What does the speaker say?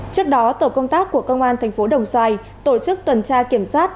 trước đó tổ công tác của công an thành phố đồng xoài tổ chức tuần tra kiểm soát